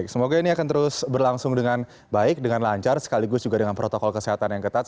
semoga ini akan terus berlangsung dengan baik dengan lancar sekaligus juga dengan protokol kesehatan yang ketat